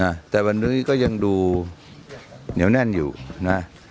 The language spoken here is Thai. นะแต่วันนี้ก็ยังดูเหนียวแน่นอยู่นะ